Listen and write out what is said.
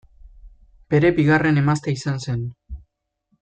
Bere bigarren emaztea izan zen.